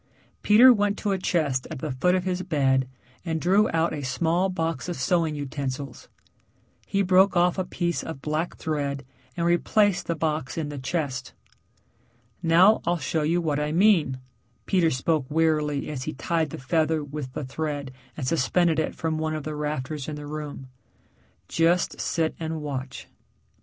Peter went to a chest at the foot of his bed and drew out a small box of sewing utensils. He broke off a piece of black thread and replaced the box in the chest. "Now I'll show you what I mean," Peter spoke wearily as he tied the feather with the thread and suspended it from one of the rafters in the room. "Just sit and watch."